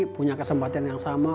punya kesempatan yang sama